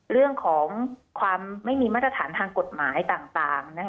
เรื่องของความไม่มีมาตรฐานทางกฎหมายต่าง